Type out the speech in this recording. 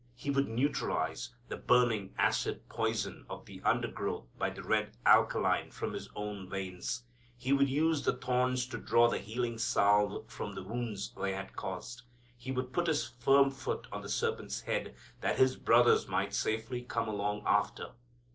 He would neutralize the burning acid poison of the undergrowth by the red alkaline from His own veins. He would use the thorns to draw the healing salve for the wounds they had caused. He would put His firm foot on the serpent's head that His brothers might safely come along after.